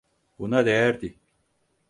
Buna değerdi.